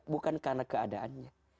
bukan karena keadaannya